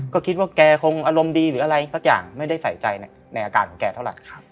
ก็คิดว่าแกคงอารมณ์ดีหรืออะไรสักอย่างไม่ได้ใส่ใจในอาการของแกเท่าไหร่